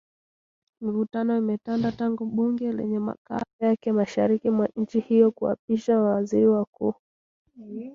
Mivutano imetanda tangu bunge lenye makao yake mashariki mwa nchi hiyo kumwapisha Waziri Mkuu